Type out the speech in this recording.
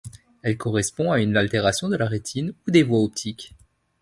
Elle correspond à une altération de la rétine ou des voies optiques.